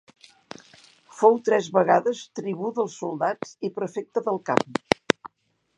Fou tres vegades tribú dels soldats i prefecte del camp.